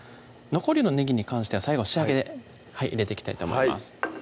残りのねぎに関しては最後仕上げで入れていきたいと思います